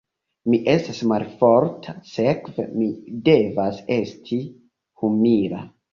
Mi estas malforta, sekve mi devas esti humila.